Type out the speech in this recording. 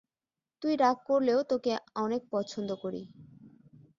তুই রাগ করলেও তোকে অনেক পছন্দ করি।